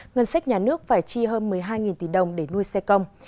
ngân sách nhà nước phải chi hơn một mươi hai tỷ đồng để nuôi xe công